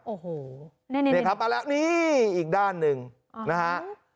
โอ้โหนี่ครับมาแล้วนี่อีกด้านหนึ่งนะฮะ